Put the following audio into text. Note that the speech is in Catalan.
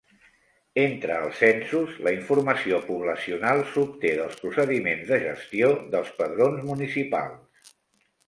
Entre els censos la informació poblacional s'obté dels procediments de gestió dels padrons municipals.